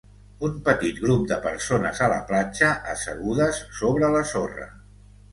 Un petit grup de persones a la platja, assegudes sobre la sorra.